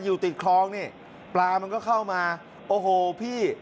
อยู่ติดคลองนี่ปลามันก็เข้ามาโอ้โหพี่